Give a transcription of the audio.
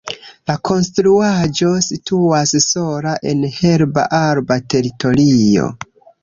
La konstruaĵo situas sola en herba-arba teritorio.